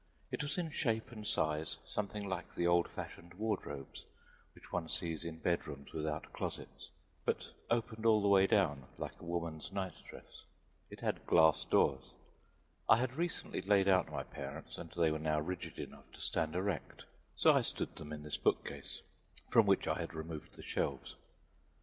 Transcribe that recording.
It was in shape and size something like the old fashioned "ward robes" which one sees in bed rooms without closets, but opened all the way down, like a woman's night dress. It had glass doors. I had recently laid out my parents and they were now rigid enough to stand erect; so I stood them in this book case, from which I had removed the shelves.